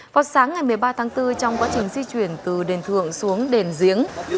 vào sáng ngày một mươi ba tháng bốn trong quá trình di chuyển từ đền thường xuống đền diếng